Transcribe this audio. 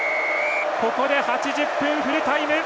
ここで８０分フルタイム。